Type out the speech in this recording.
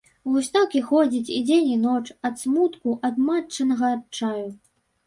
Вось так і ходзіць і дзень і ноч, ад смутку, ад матчынага адчаю.